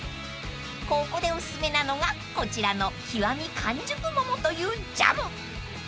［ここでおすすめなのがこちらのＫｉｗａｍｉ完熟ももというジャム］